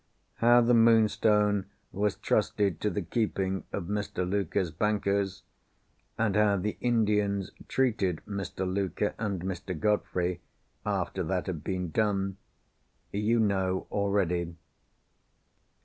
How the Moonstone was trusted to the keeping of Mr Luker's bankers, and how the Indians treated Mr. Luker and Mr. Godfrey (after that had been done) you know already.